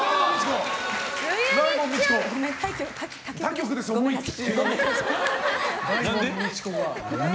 他局です、思いっきり。